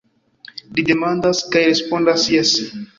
Li demandas – kaj respondas jese.